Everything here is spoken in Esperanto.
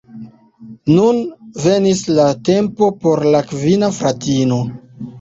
Nun venis la tempo por la kvina fratino.